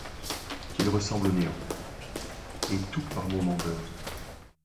Qu’il ressemble au néant ; et Tout par moments donne